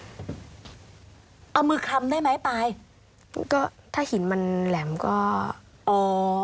ก็ได้ครับเอามือคำได้ไหมปลายก็ถ้าหินมันแหลมก็อ๋อ